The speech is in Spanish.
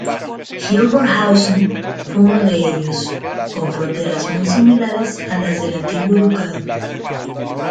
Hildburghausen fue uno de ellos, con fronteras muy similares a las del antiguo ducado.